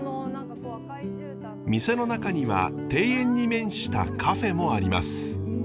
店の中には庭園に面したカフェもあります。